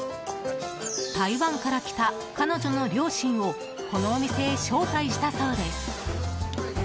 台湾から来た彼女の両親をこのお店へ招待したそうです。